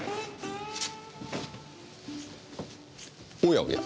おやおや。